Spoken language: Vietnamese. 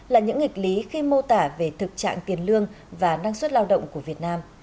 là những nghịch lý khi mô tả về thực trạng tiền lương và năng suất lao động của việt nam